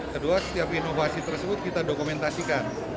kedua setiap inovasi tersebut kita dokumentasikan